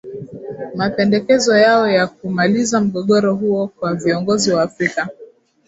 mapendekezo yao ya kumaliza mgogoro huo kwa viongozi wa afrika